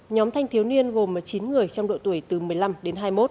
nhóm thanh thiếu niên gồm chín người trong độ tuổi từ một mươi năm đến hai mươi một